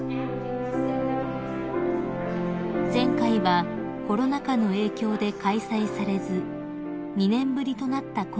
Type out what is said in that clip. ［前回はコロナ禍の影響で開催されず２年ぶりとなった